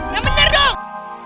gak bener dong